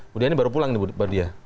budia ini baru pulang nih budia